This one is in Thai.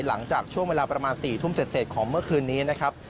หลังจากช่วงเวลาประมาณ๔ทุ่มเสร็จของเมื่อคืนนี้นะครับ